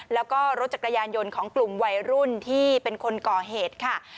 แล้วก็รถจักรยานยนต์ของกลุ่มวัยรุ่นที่เป็นคนก่อเหตุค่ะ